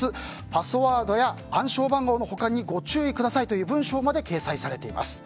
パスワードや暗証番号の保管にご注意くださいという文章まで掲載されています。